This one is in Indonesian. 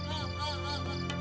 oh iya sih dikit